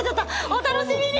お楽しみに。